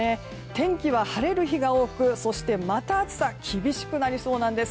天気は晴れる日が多くそして、また暑さが厳しくなりそうなんです。